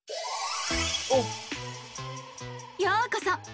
ようこそ！